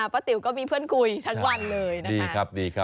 ป้าติ๋วก็มีเพื่อนคุยทั้งวันเลยนะคะ